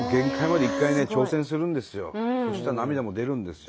そしたら涙も出るんですよ。